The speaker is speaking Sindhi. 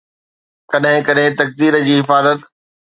ڪڏهن ڪڏهن تقدير جي حفاظت